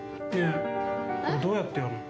これ、どうやってやるの？